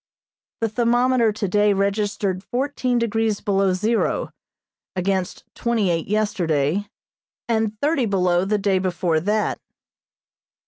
The thermometer today registered fourteen degrees below zero, against twenty eight yesterday and thirty below the day before that.